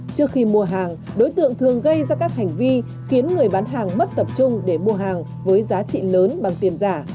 trước khi mua hàng đối tượng thường gây ra các hành vi khiến người bán hàng mất tập trung để mua hàng với giá trị lớn bằng tiền giả